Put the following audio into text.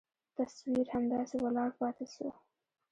تصوير همداسې ولاړ پاته سو.